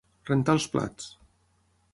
Rentar els plats.